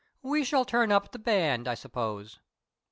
We shall turn up at the band, I suppose."